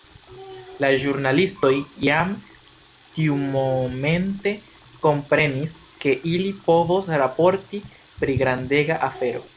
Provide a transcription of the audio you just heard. La ĵurnalistoj jam tiumomente komprenis ke ili povos raporti pri grandega afero.